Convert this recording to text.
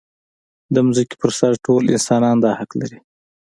د ځمکې پر سر ټول انسانان دا حق لري.